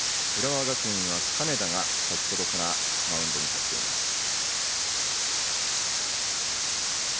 浦和学院は金田が先ほどからマウンドに立っています。